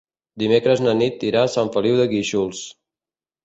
Dimecres na Nit irà a Sant Feliu de Guíxols.